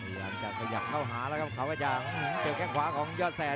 อยากเข้าหาแล้วครับขาวกระจ่างเกี่ยวแก้งขวาของยอดแสน